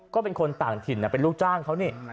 ก็เป็นคนต่างถิ่นเป็นลูกจ้างเขานี่